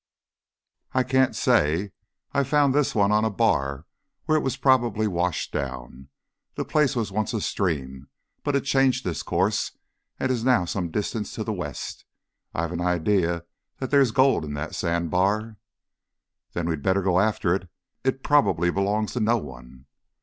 "I can't say. I found this one on a bar where it was probably washed down. The place was once a stream, but it changed its course and is now some distance to the west. I've an idea that there's gold in that sand bar." "Then we'd better go after it. It probably belongs to no one."